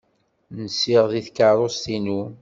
Nsiɣ deg tkeṛṛust-inu.